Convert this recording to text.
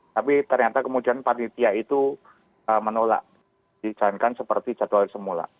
tapi ternyata kemudian panitia itu menolak dijalankan seperti jadwal semula